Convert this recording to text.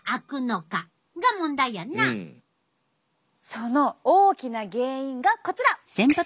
その大きな原因がこちら！